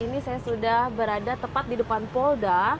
ini saya sudah berada tepat di depan polda